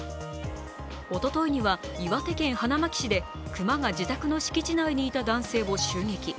おとといには岩手県花巻市で熊が自宅敷地内にいた男性を襲撃。